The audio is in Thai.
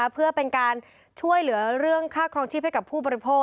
เพื่อเป็นการช่วยเหลือเรื่องค่าครองชีพให้กับผู้บริโภค